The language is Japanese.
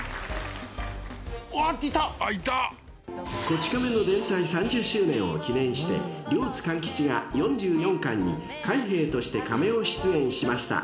［『こち亀』の連載３０周年を記念して両津勘吉が４４巻に海兵としてカメオ出演しました］